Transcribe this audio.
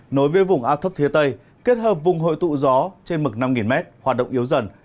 nối với vùng áp thấp phía tây kết hợp vùng hội tụ gió trên mực năm m hoạt động yếu dần